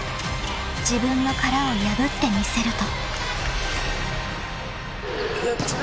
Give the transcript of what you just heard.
［自分の殻を破ってみせると］